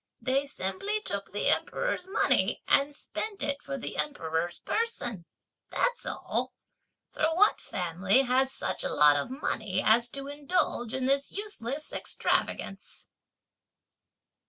"Why they simply took the Emperor's money and spent it for the Emperor's person, that's all! for what family has such a lot of money as to indulge in this useless extravagance?"